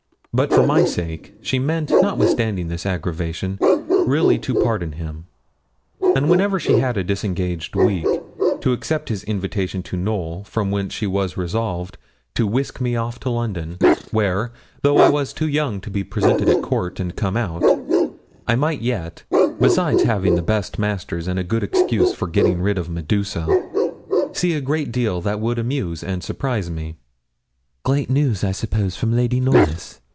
But for my sake she meant, notwithstanding this aggravation, really to pardon him; and whenever she had a disengaged week, to accept his invitation to Knowl, from whence she was resolved to whisk me off to London, where, though I was too young to be presented at Court and come out, I might yet besides having the best masters and a good excuse for getting rid of Medusa see a great deal that would amuse and surprise me. 'Great news, I suppose, from Lady Knollys?'